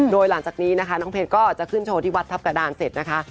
โดยหลังจากนี้นะคะน้องเพชรก็จะขึ้นโชว์ที่วัดทัพกระดานเสร็จนะคะ